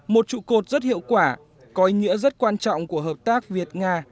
một trụ cột rất hiệu quả có ý nghĩa rất quan trọng của hợp tác việt nga